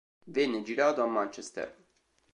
Venne girato a Manchester.